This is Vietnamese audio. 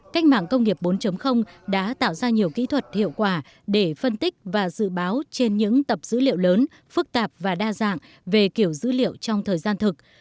cách mạng công nghiệp bốn đã tạo ra nhiều kỹ thuật hiệu quả để phân tích và dự báo trên những tập dữ liệu lớn phức tạp và đa dạng về kiểu dữ liệu trong thời gian thực